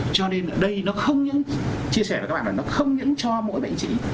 cho nên đây nó không những chia sẻ với các bạn là nó không những cho mỗi bệnh trĩ